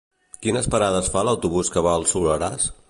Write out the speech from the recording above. Quines parades fa l'autobús que va al Soleràs?